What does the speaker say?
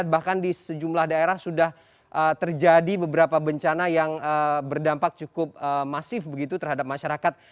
bahkan di sejumlah daerah sudah terjadi beberapa bencana yang berdampak cukup masif begitu terhadap masyarakat